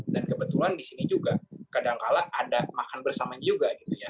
dan kebetulan di sini juga kadangkala ada makan bersama juga gitu ya